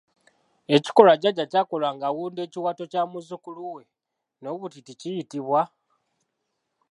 Ekikolwa jjajja kyakola ng'awunda ekiwato kya muzzukulu we n'obutiiti kiyitibwa?